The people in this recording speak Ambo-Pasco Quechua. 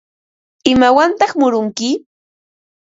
¿Imawantaq murunki?